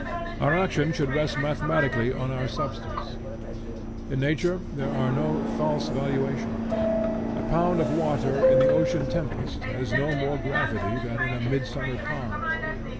Our action should rest mathematically on our substance. In nature, there are no false valuations. A pound of water in the ocean tempest has no more gravity than in a midsummer pond.